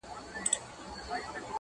له نارنج تر انارګله له پامیره تر کابله-